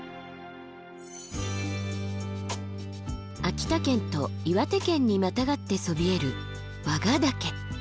秋田県と岩手県にまたがってそびえる和賀岳。